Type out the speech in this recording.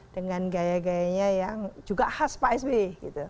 dengan gaya gayanya yang juga khas pak sby